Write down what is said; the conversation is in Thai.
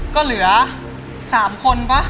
ก็เหลือ๓คนป่ะ